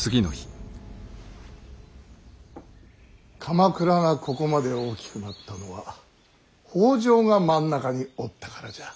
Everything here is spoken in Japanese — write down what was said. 鎌倉がここまで大きくなったのは北条が真ん中におったからじゃ。